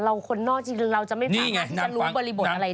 เราคนนอกจริงเราจะไม่ผ่านมาที่จะรู้บริบทอะไรได้เลย